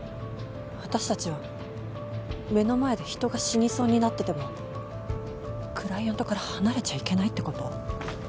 私たちは目の前で人が死にそうになっててもクライアントから離れちゃいけないって事？